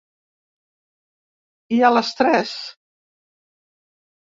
I a les tres.